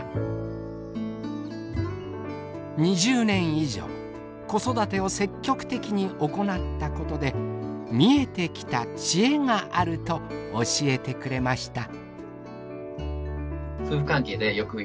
２０年以上子育てを積極的に行ったことで見えてきたチエがあると教えてくれました。